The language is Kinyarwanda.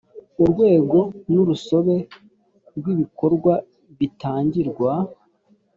urwego n urusobe rw ibikorwa bitangirwa